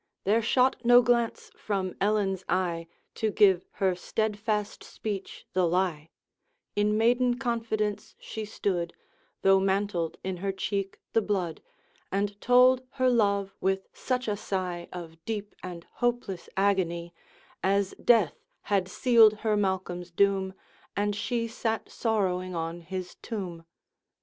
There shot no glance from Ellen's eye, To give her steadfast speech the lie; In maiden confidence she stood, Though mantled in her cheek the blood And told her love with such a sigh Of deep and hopeless agony, As death had sealed her Malcolm's doom And she sat sorrowing on his tomb.